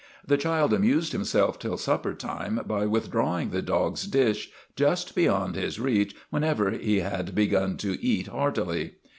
The child amused himself till supper time by with drawing the dog's dish just beyond his reach when ever he had begun to eat heartily.